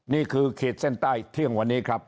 นี่คือเขตแสนใต้เที่ยงวันนี้ครับ